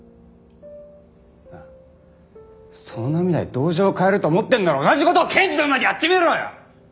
なあその涙で同情を買えると思ってんなら同じ事を検事の前でやってみろよ！